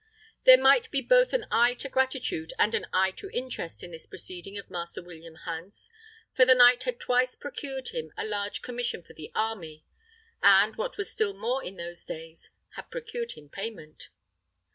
There might be both an eye to gratitude and an eye to interest in this proceeding of Master William Hans; for the knight had twice procured him a large commission for the army, and, what was still more in those days, had procured him payment.